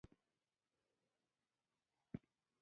که عنصر دوه الکترونونه د لاسه ورکړي چارج یې مثبت دوه دی.